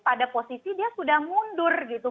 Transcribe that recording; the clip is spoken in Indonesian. pada posisi dia sudah mundur gitu